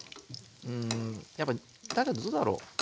うんやっぱどうだろう？